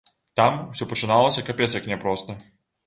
Там усё пачыналася капец як няпроста.